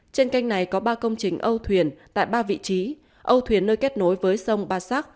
trên canh này có ba công trình âu thuyền tại ba vị trí âu thuyền nơi kết nối với sông ba sắc